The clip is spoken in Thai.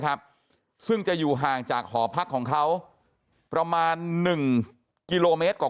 ครับซึ่งจะอยู่ห่างจากหอพักของเขาประมาณ๑กิโลเมตรกว่า